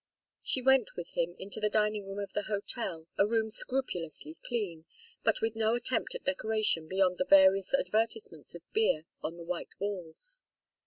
She went with him into the dining room of the hotel, a room scrupulously clean, but with no attempt at decoration beyond the various advertisements of beer on the white walls.